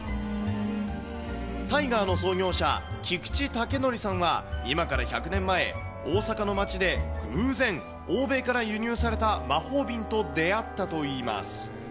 タイガーの創業者、菊池武範さんは、今から１００年前、大阪の街で偶然、欧米から輸入された魔法瓶と出会ったといいます。